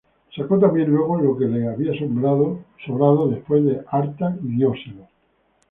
Sacó también luego lo que le había sobrado después de harta, y dióselo.